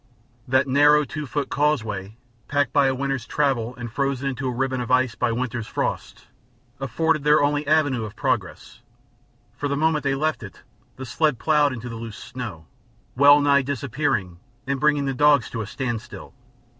That narrow, two foot causeway, packed by a winter's travel and frozen into a ribbon of ice by a winter's frosts, afforded their only avenue of progress, for the moment they left it the sled plowed into the loose snow, well nigh disappearing and bringing the dogs to a standstill.